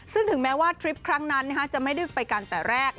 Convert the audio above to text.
ซึ่งถึงแม้ว่าทริปครั้งนั้นจะไม่ได้ไปกันแต่แรก